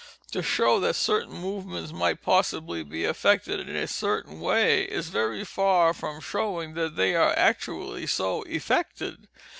To show that certain movements might possibly be effected in a certain way, is very far from showing that they are actually so effected.